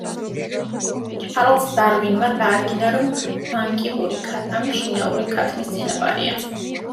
ჩარლზ დარვინმა დაადგინა, რომ ბანკივური ქათამი შინაური ქათმის წინაპარია.